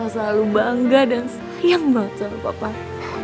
aku selalu bangga dan sayang banget sama kakak